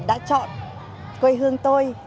đã chọn quê hương tôi